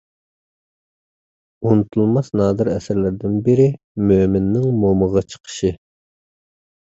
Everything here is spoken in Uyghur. ئۇنتۇلماس نادىر ئەسەرلەردىن بىرى — «مۆمىننىڭ مومىغا چىقىشى».